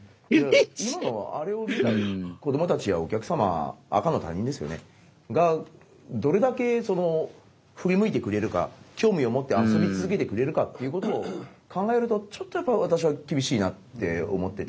今のあれを見た子供たちやお客様赤の他人ですよねがどれだけその振り向いてくれるか興味を持って遊び続けてくれるかっていうことを考えるとちょっとやっぱ私は厳しいなって思ってて。